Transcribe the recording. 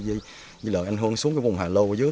như là ảnh hưởng xuống cái vùng hạ lâu ở dưới